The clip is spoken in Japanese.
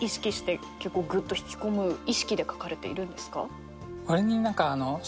結構グッと引き込む意識で書かれているんですか？